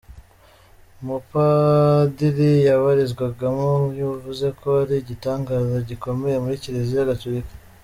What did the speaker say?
mupadiri yabarizwagamo yavuze ko ari igitangaza gikomeye muri kiliziya gaturika.